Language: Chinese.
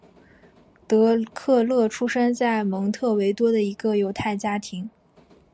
德克勒出生在蒙特维多的一个犹太家庭。